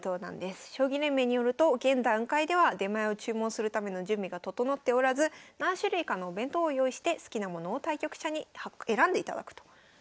将棋連盟によると現段階では出前を注文するための準備が整っておらず何種類かのお弁当を用意して好きなものを対局者に選んでいただくということです。